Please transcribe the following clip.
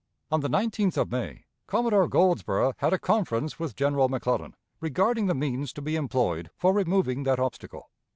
On the 19th of May Commodore Goldsborough had a conference with General McClellan regarding the means to be employed for removing that obstacle.